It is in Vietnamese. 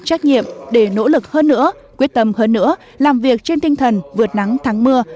trách nhiệm để nỗ lực hơn nữa quyết tâm hơn nữa làm việc trên tinh thần vượt nắng thắng mưa